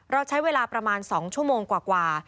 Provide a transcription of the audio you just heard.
เราใช้เวลาประมาณ๒ชั่วโมงกว่า